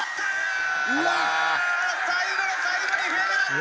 最後の最後に笛が鳴った。